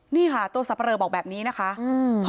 นี่ค่ะตัวสับปะเลอบอกแบบนี้นะคะอืม